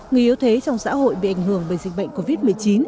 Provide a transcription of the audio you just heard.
người yếu thế trong xã hội bị ảnh hưởng bởi dịch bệnh covid một mươi chín